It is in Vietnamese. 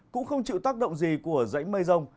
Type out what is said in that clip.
cũng không chịu tác động gì của dãy mây rông